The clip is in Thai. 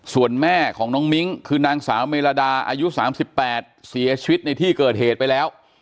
ส่วนแม่ของน้องมิ้งคือนางสาวเมรดาอายุ๓๘เสียชีวิตในที่เกิดเหตุไปแล้ว